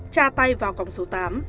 tra tay vào cổng số tám